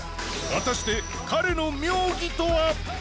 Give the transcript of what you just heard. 果たして彼の妙技とは？